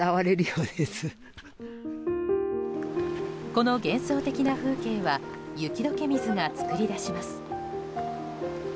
この幻想的な風景は雪解け水が作り出します。